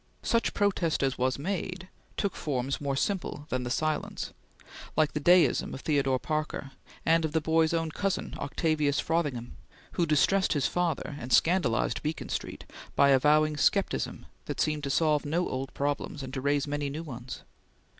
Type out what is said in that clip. Such protest as was made took forms more simple than the silence, like the deism of Theodore Parker, and of the boy's own cousin Octavius Frothingham, who distressed his father and scandalized Beacon Street by avowing scepticism that seemed to solve no old problems, and to raise many new ones.